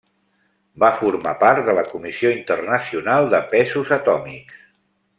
Va formar part de la Comissió Internacional de Pesos Atòmics.